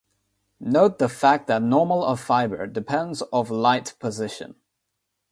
Note the fact that normal of fiber depends of light position.